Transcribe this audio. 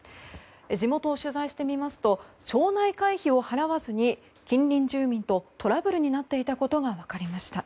地元を取材してみますと町内会費を払わずに近隣住民とトラブルになっていたことが分かりました。